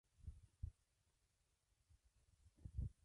La ejecución de dicha bula, le fue encomendada al arzobispo de Valladolid.